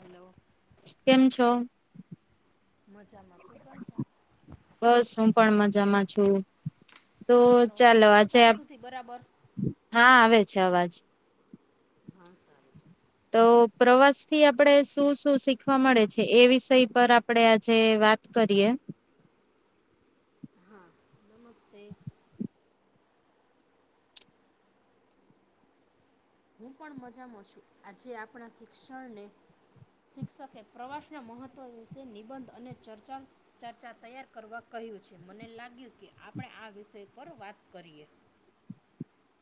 Hello કેમ છો મજામાં તું કેમ છે? બસ હું પણ મજામાં છું તો મારો અવાજ ચાલો આવે છે આજે તારા સુધી બરાબર? હા આવે અચછા અવાજ હા સાર છે તો પ્રવાસ થી આપણે શું શું શીખવા મળે છે એ વિષય પર આપડણે આજે વાત કરીએ હા નમસ્તે હું પણ મજામાં છું આજે આપણા શિક્ષણને શિક્ષકે પ્રવાસના મહત્વ વિશે નિબંધ અને ચર્ચા ચર્ચા તૈયાર કરવા કહ્યું છે મને લાગ્યું કે આપણે આ વિષય પર વાત કરીએ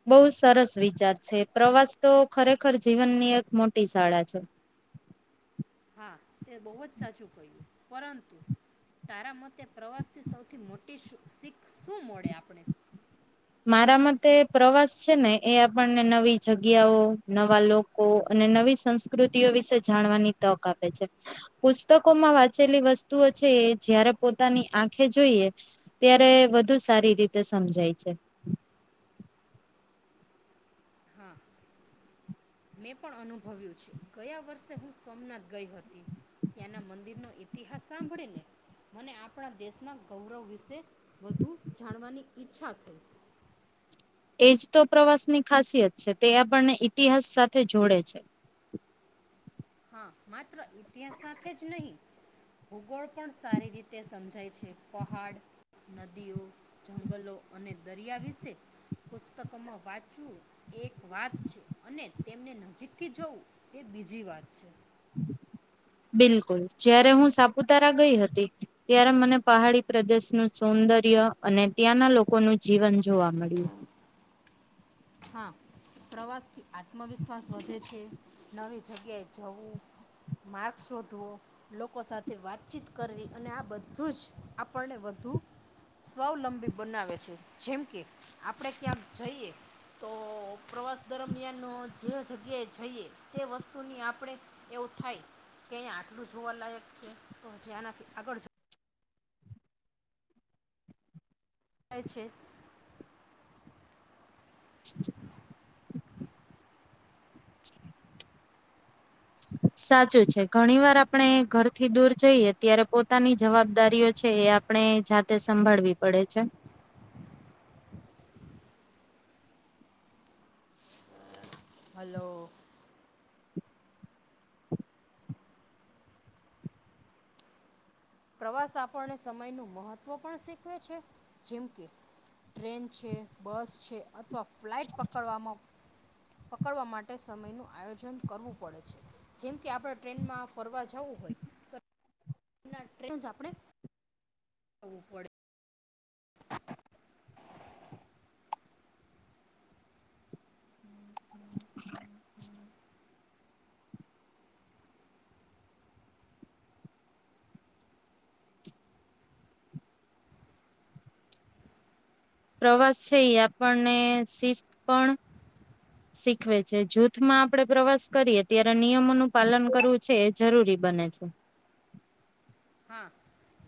બહુ સરસ વિચાર છે પ્રવાસ તો ખરેખર જીવનની એક મોટી શાળા છે હા તે બહુ જ સાચું કહ્યું પરંતુ તારા મતે પ્રવાસ થી સૌથી મોટી શીખ શું મળે આપણે મારા મતે પ્રવાસ છે ને એ આપણને નવી જગ્યાઓ નવા લોકો અને નવી સંસ્કૃતિઓ વિશે જાણવાની તક આપે છે પુસ્તકોમાં વાંચેલી વસ્તુઓ છે એ જયારે પોતાની આંખે જોઈએ ત્યારે વધુ સારી રીતે સમજાય છે હા મેં પણ અનુભવ્યું છે ગયા વર્ષે હું સોમનાથ ગઈ હતી ત્યાંના મંદિરનો ઈતિહાસ સાંભળીને મને આપણા દેશના ગૌરવ વિશે વધુ જાણવાની ઈચ્છા થઈ એ જ તો પ્રવાસની ખાસિયત છે તે આપણને ઇતિહાસ સાથે જોડે છે હા માત્ર ઇતિહાસ સાથે જ નહીિ ભૂગોળ પણ સારી રીતે સમજાય છે પહાડ નદીઓ જંગલો અને દરિયા વિશે પુસ્તકમાં વાંચવું એક વાત છે અને તેમને નજીકથી જોવું તે બીજી વાત છે અચ છે બિલકુલ જ્યારે હું સાપુતારા ગઈ હતી ત્યારે મને પહાડી પ્રદેશનું સૌંદર્ય અને ત્યાંના લોકોનું જીવન જોવા મળ્યું હા પ્રવાસ કે આત્મવિશ્વાસ વધે છે નવી જગ્યાએ જવું માર્ગ શોધવો લોકો સાથે વાતચીત કરવી અને આ બધું જ આપણને વધુ સ્વાવલંબી બનાવે છે જેમ કે આપણે ક્યાં જઈએ તો પ્રવાસ દરમિયાન જે જગ્યાએ જઈએ તે વસ્તુની આપણે એવું થાય કે અહીંયા આટલું જોવાલાયક છે તો હજી આનાથી આગળ જ થાય છે [inaudible] સાચું છે ઘણી વાર આપણે ઘરથી દૂર જઈએ ત્યારે પોતાની જવાબદારીઓ છે એ આપણે જાતે સંભાળવી પડે છે હલો પ્રવાસ આપણને સમય ન મહત્વ પણ શીખવે છે જેમ કે ટ્રેન છે બસ છે અથવા ફ્લાઇટ પકડવામાં પકડવા માટે સમય નું આયોજન કરવું પડે છે જેમ કે આપડ ટ્રેનમાં ફરવા જવું હોય ટન આપણેું પડે [inaudible] પ્રવાસ છે એ આપણને શિસ્ત પણ શીખવે છે જૂથમાં આપણે પ્રવાસ કરીએ ત્યારે નિયમોનું પાલન કરવું છે એ જરૂરી બને છે. હા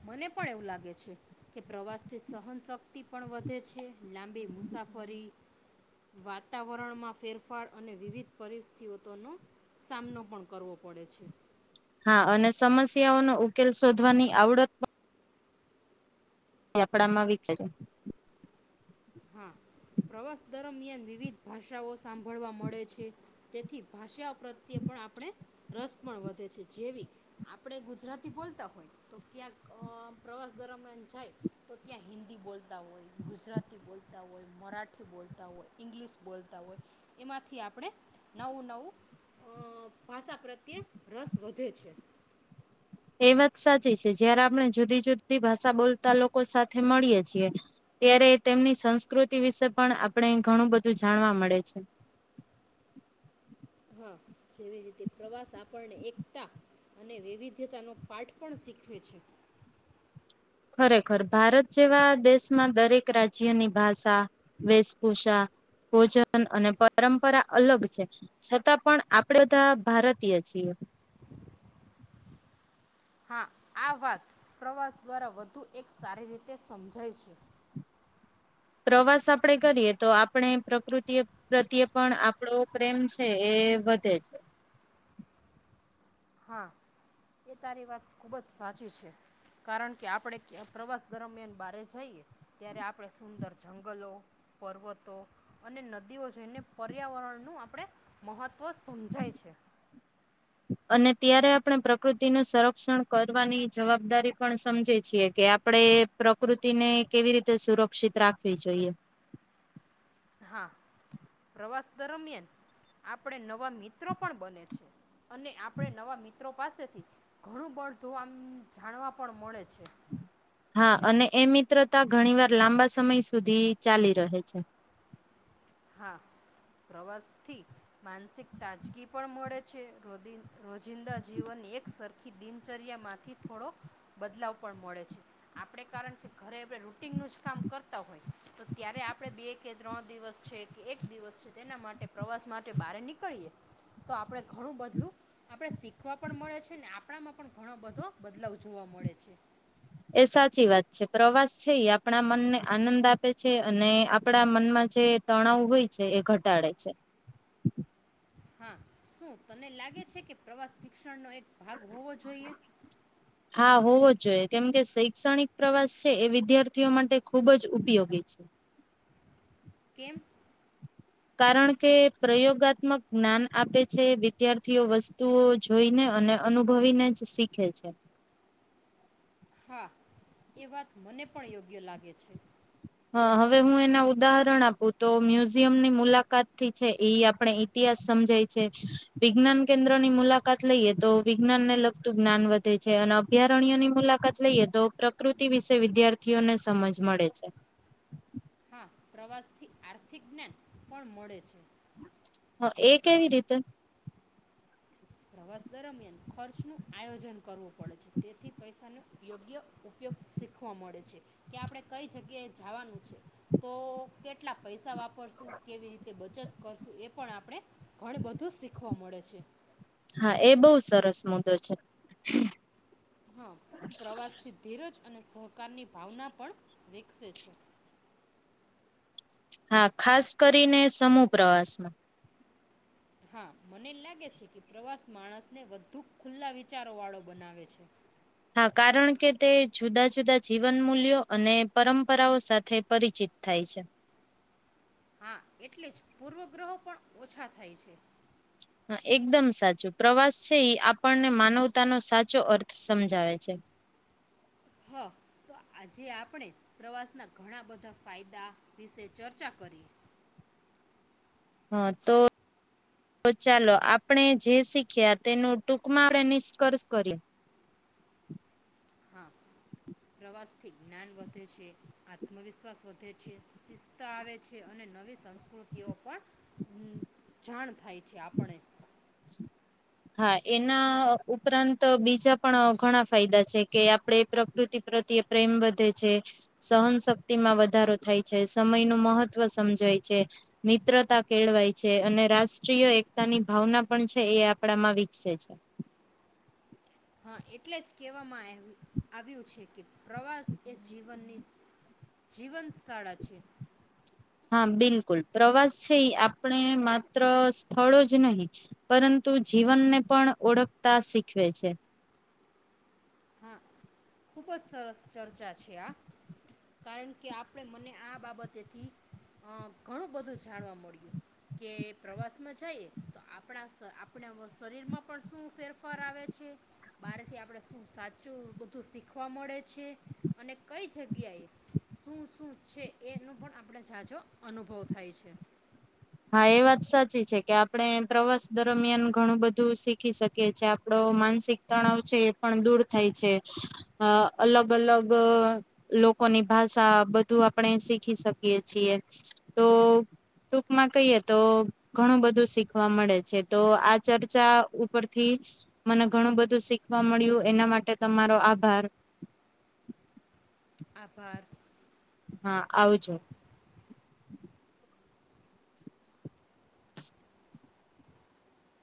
મને પણ એવું લાગે છે કે પ્રવાસથી સહનશક્તિ પણ વધે છે લાંબી મુસાફરી વાતાવરણમાં ફેરફાર અને વિવિધ પરિસ્થયોતોનો સામનો પણ કરવો પડે છે. હા અને સમસ્યાઓનો ઉકેલ શોધવાની આવડત આપણામાં વિકસે. હા પ્રવાસ દરમિયાન વિવિધ ભાષાઓ સાંભળવા મળે છે તેથી ભાષાઓ પ્રત્યે પણ આપણે રસ પણ વધે છે જેવી આપણે ગુજરાતી બોલતા હોય તો ક્યાંક અ પ્રવાસ દરમિયાન જાય તો ત્યાં હિન્દી બોલતા હોય ગુજરાતી બોલ તા હોય, મરાઠી બોલતા હોય, ઈંગ્લિશ બોલતા હોય એમાંથી આપણે નવું નવું અ ભાષા પ્રત્યે રસ વધે છે. એ વાત સાચી છે જયારે આપણે જુદી જુદી ભાષા બોલતા લોકો સાથે મળીએ છીએ ત્યારે તેમની સંસ્કૃતિ વિશે પણ આપણે ઘણું બધું જાણવા મળે છે. જેવી રીતે પ્રવાસ આપણને એકતા અને વૈવિધ્યતા નો પાઠ પણ શીખવે છે. ખરેખર ભારત જેવા દેશમાં દરેક રાજ્યની ભાષા વેશભૂષા ભોજન અને પરંપરા અલગ છે છતાં પણ આપણે ધા ભારતીય છીએ. હા આ વાત પ્રવાસ દ્વારા વધુ એક સારી રીતે સમ જાય છે. પ્રવાસ આપણેે કરીએ તો આપણે પ્રકૃતિ પ્રત્યે પણ આપણો પ્રેમ છે એ વધે છે. હા એ તારી વાત ખૂબ જ સાચી છે કારણ કે આપણે પ્રવાસ દરમિયાન બારે જઈએ ત્યારે આપણે સુંદર જંગલો પર્વતો અને નદીઓ જોઈને પર્યાવરણનું આપણે મહત્વ સમજાય છે. અને ત્યારે આપણે પ્રકૃતિનું સંરક્ષણ કરવાની જવાબદારી પણ સમજે છીએ કે આપણે પ્રકૃતિને કેવી રીતે સુરક્ષિત રાખવી જોઈએ. હા પ્રવાસ દરમિયાન આપણે ન વા મિત્રો પણ બને છે. અને આપડે નવા મિ મિત્રો પાસેથી ઘણું બળધું આમ જાણવા પણ મળે છે. હા અને એ મિત્રતા ઘણી વાર લાંબા સમય સુધી ચાલી રહે છે. હા પ્રવાસ થી માનસિક તાજગી પણ મળે છે રોદી રોજિંદા જીવનની એક સરખી દિનચર્યા માંથી થોડો બદલાવ પણ મળે છે આપણે કારણ કે ઘરે આપણે રૂટીનનું જ કામ કરતા હોય તો ત્યારે આપણે બે કે ત્રણ દિવસ છે. કે એક દિવસ છે તેના માટે પ્રવાસ માટે બહાર નીકળીએ તો આપણે ઘણું બધલું આપણે શીખવા પણ મળે છે ને આપણામાં પણ ઘણો બધો બદલાવ જોવા મળે છે. એ સાચી વાત છે પ્રવાસ છે એ આપણા મનને આનંદ આપે છે અને આપણા મનમાં જે તણાવ હોય છે એ ઘટાડે છે. હા શું તને લાગે છે કે પ્રવાસ શિક્ષણ નો એક ભાગ હોવો જોઈએ. જોએ કેમ કે શૈક્ષણિક પ્રવાસ છે એ વિદ્યાર્થીઓ માટે ખૂબ જ ઉપયોગી છે. કેમ? કારણ કે પ્રયોગાત્મક જ્ઞાન આપે છે વિદ્યાર્થીઓ વસ્તુઓ જોઈને અને અનુભવીને જ શીખે છે. હા એ વાત મને પણ યોગ્ય લાગે છે. હા હવે હું એના ઉદાહરણ આપું તો મ્યુઝિયમ ની મુલાકાત થી છે એ આપણે ઇતિહાસ સમજાય છે વિજ્ઞાન કેન્દ્રની મુલાકાત લઈએ તો વિજ્ઞાનને લગતું જ્ઞાન વધે છે અને અભયારણ્યની મુલાકાત લઈએ તો પ્રકૃતિ વિશે વિદ્યાર્થીઓને સમજ મળે છે. હા પ્રવાસથી આર્થિક જ્ઞાન પણ મળે છે. હ એ કેવી રીતે પ્રવાસ દરમિયાન ખર્ચ નું આયોજન કરવું પડે છે તેથી પૈસા ન યોગ્ય ઉપયોગ શીખવા મળે છે કે આપણે કઈ જગ્યાએ જાવાનું છે તો કેટલા પૈસા વાપરશું કેવી રીતે બચત કરશું એ પણ આપણે ઘણું બધું શીખવા મળે છે. હા એ બહુ સરસ મુદ્દો છે. હા પ્રવાસ થી ધીરજ અને સહકારની ભાવના પણ વિકસે છે. હા ખાસ કરીને સમૂહ પ્રવાસ. હા મને લાગે છે કે પ્રવાસ માણસને વધુ ખુલ્લા વિચારો વાળો બનાવે છે. હા કારણ કે તે જુદા જુદા જીવન મૂલ્યો અને પરંપરાઓ સાથે પરિચિત થાય છે. હા એટલે જ પૂર્વ ગ્રહો પણ ઓછા થાય છે. એકદમ સાચું પ્રવાસ છે એ આપણને માનવતાનો સાચો અર્થ સમજાવે છે. હ તો આજે આપણે પ્રવાસના ઘણા બધા ફાયદા વિશે ચર્ચા કરીએ. હા તો ચાલો આપણે જે શીખ્યા તેનું ટૂંકમાં આપણે નિષ્કર્ષ કર્યે. હા પ્રવાસ થી જ્ઞાન વધે છે, આત્મવિશ્વાસ વધે છે, શિસ્તા આવે છે, અને નવી સંસ્કૃતિઓ પણ જાણ થાય છે આપણે. હા એના ઉપરાંત બીજા પણ ઘણા ફાયદા છે કે આપડે પ્રકૃતિ પ્રત્યે પ્રેમ વધે છે, સહનશક્તિમાં વધારો થાય છે, સમય નું મહત્વ સમજાય છે, મિત્રતા કેળવાય છે અને રાષ્ટ્રીય એકતાની ભાવના પણ છે એ આપણામાં વિકસે છે. હા એટલે જ કહેવામાં આવ આવ્યું છે કે પ્રવાસ એ જીવનની જીવંત શાળા છે. હા બિલકુલ પ્રવાસ છે એ આપણે માત્ર સ્થળો જ નહી પરંતુ જીવનને પણ ઓળખતા શીખવે છે. હા ખુબ જ સરસ ચર્ચા છે આ. કારણ કે આપણે મને આ બાબતેથી અ ઘણું બધું જાણવા મળ્યું કે પ્રવાસ માં જઈએ તો આપણા આપણા શરીર માં પણ શું ફેરફાર આવે છે, બહારથી આપણે શું સાચ ચુ બધું શીખવા મળે છે અને કઈ જગ્યાએ શું શું છે એનો પણ આપણે જાજો અનુભવ થાય છે. હા એ વાત સાચી છે કે આપણે પ્રવાસ દરમિયાન ઘણું બધું શીખી શકીએ છે, આપડો માનસિક તણાવ છે એ પણ દૂર થાય છે, અલગ અલગ લોકોની ભાષા બધું આપણે શીખી શકીએ છીએ. તો ટુક માં કહીએ તો ઘણું બધું શીખવા મળે છે. તો આ ચર્ચા ઉપરથી મને ઘણું બધું શીખવા મળ્યું એના માટે તમારો આભાર. આભાર. હા આવજો.